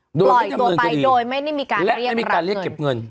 ปล่อยตัวไปโดยไม่ได้มีการเรียกรับเงินและไม่ได้มีการเรียกเก็บเงิน